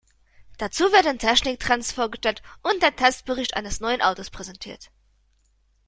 Dazu werden Technik-Trends vorgestellt und der Testbericht eines neuen Autos präsentiert.